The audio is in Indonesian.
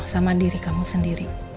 sama diri kamu sendiri